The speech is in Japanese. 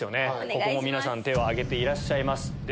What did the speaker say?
ここも皆さん手を挙げていらっしゃいます。